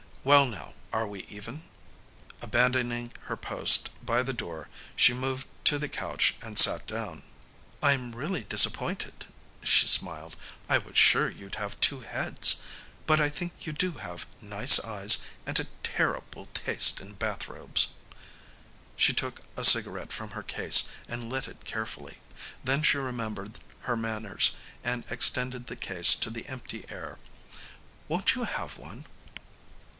Well, now are we even?" Abandoning her post by the door, she moved to the couch and sat down. "I'm really disappointed," she smiled. "I was sure you'd have two heads. But I think you do have nice eyes and a terrible taste in bathrobes." She took a cigarette from her case and lit it carefully. Then she remembered her manners and extended the case to the empty air. "Won't you have one?"